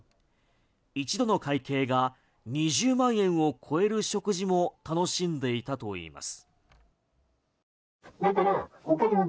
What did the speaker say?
一度の会計が２０万円を超える食事も楽しんでいたといいます。